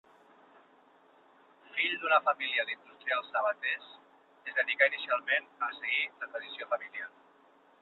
Fill d'una família d'industrials sabaters, es dedicà inicialment a seguir la tradició familiar.